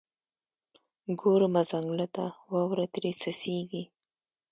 ګورمه ځنګله ته، واوره ترې څڅیږي